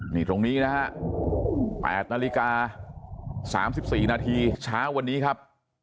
นี่ตรงนี้นะฮะ๘นาฬิกา๓๔นาทีเช้าวันนี้ครับ